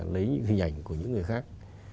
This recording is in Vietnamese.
lấy những hình ảnh của những người khác